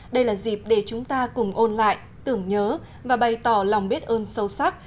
đây là dịp để chúng ta cùng ôn lại tưởng nhớ và bày tỏ lòng biết ơn sâu sắc